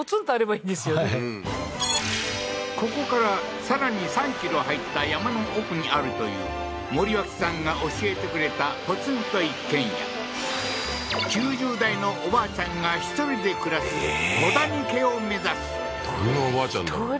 はいここからさらに３ｋｍ入った山の奥にあるという森脇さんが教えてくれたポツンと一軒家９０代のおばあちゃんが１人で暮らすコダニ家を目指すどんなおばあちゃんだろう？